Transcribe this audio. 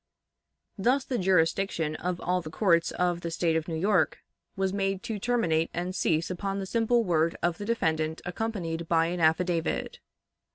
Thus the jurisdiction of all the courts of the State of New York was made to terminate and cease upon the simple word of the defendant accompanied by an affidavit.